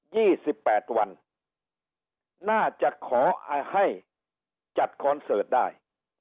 ี่สิบแปดวันน่าจะขอให้จัดคอนเสิร์ตได้